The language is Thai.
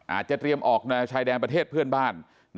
อาจจะเตรียมออกแนวชายแดนประเทศเพื่อนบ้าน